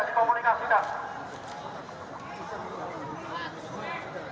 sebelum matahari tergelam